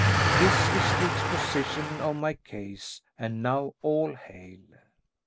* This is the exposition of my case and now all hail!"